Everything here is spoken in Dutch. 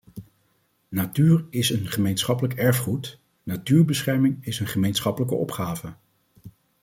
Natuur is een gemeenschappelijk erfgoed, natuurbescherming is een gemeenschappelijke opgave.